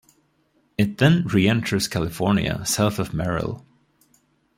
It then re-enters California south of Merrill.